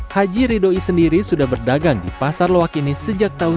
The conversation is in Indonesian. haji ridhoi sendiri sudah berdagang di pasar lawak dupa krukun